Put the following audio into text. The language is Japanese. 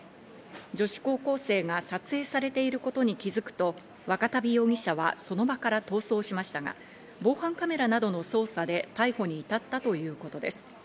女子高校生が撮影されていることに気づくと若旅容疑者はその場から逃走しましたが、防犯カメラなどの捜査で逮捕に至ったということです。